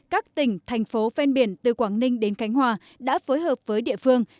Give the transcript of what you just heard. các tỉnh thành phố phen biển từ quảng ninh đến cánh hòa đã phối hợp với địa phương